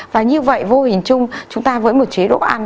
và như vậy vô hình chung chúng ta với một chế độ ăn